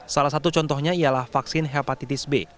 salah satu contohnya ialah vaksin hepatitis b